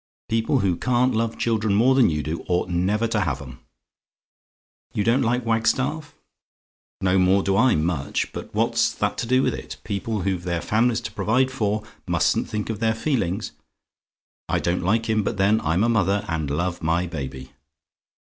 People who can't love children more than you do, ought never to have 'em. "YOU DON'T LIKE WAGSTAFF? "No more do I much; but what's that to do with it? People who've their families to provide for, mustn't think of their feelings. I don't like him; but then I'm a mother, and love my baby.